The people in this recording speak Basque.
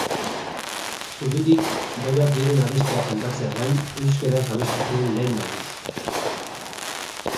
Zubirik, bereak diren abestiak kantatzeaz gain, euskaraz abestu zuen lehen aldiz.